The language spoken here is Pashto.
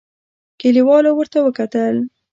کليوالو ورته وکتل.